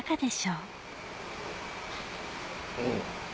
うん。